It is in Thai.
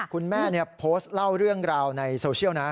คุณแม่โพสต์เล่าเรื่องราวในโซเชียลนะ